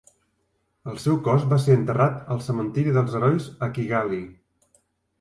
El seu cos va ser enterrat al Cementiri dels Herois a Kigali.